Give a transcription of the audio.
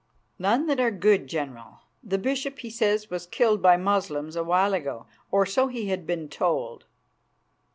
"None that are good, General. The bishop, he says, was killed by Moslems a while ago, or so he had been told."